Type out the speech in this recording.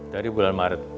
dari bulan maret